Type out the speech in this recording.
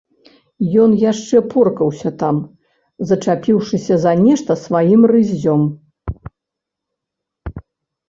Ён яшчэ поркаўся там, зачапіўшыся за нешта сваім рыззём.